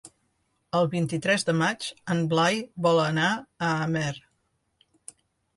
El vint-i-tres de maig en Blai vol anar a Amer.